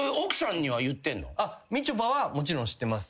みちょぱはもちろん知ってます。